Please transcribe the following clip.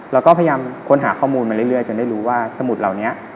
เราก็พยายามค้นหาข้อมูลมาเรื่อยจนได้รู้ว่าสมุดเหล่านี้